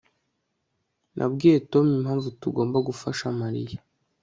Nabwiye Tom impamvu tugomba gufasha Mariya